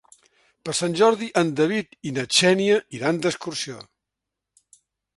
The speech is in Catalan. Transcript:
Per Sant Jordi en David i na Xènia iran d'excursió.